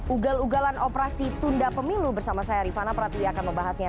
ugal ugalan operasi tunda pemilu bersama saya rifana pratiwi akan membahasnya